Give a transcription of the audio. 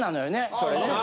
それね。